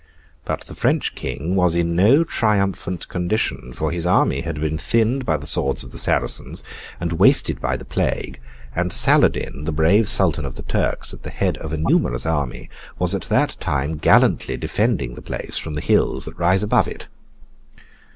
But the French King was in no triumphant condition, for his army had been thinned by the swords of the Saracens, and wasted by the plague; and Saladin, the brave Sultan of the Turks, at the head of a numerous army, was at that time gallantly defending the place from the hills that rise above it.